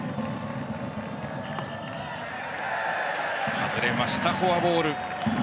外れました、フォアボール。